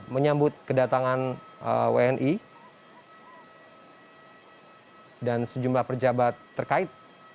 menyambut kedatangan wni dan sejumlah pejabat terkait